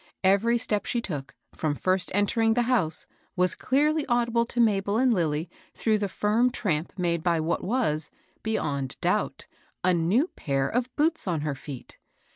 Every step she took, fipom first entering the house, was clearly audible to Mabel and Lilly through the firm tramp made by what was, beyond doubt, a new pair of boots on her feet.